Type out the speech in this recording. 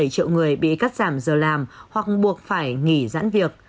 bảy triệu người bị cắt giảm giờ làm hoặc buộc phải nghỉ giãn việc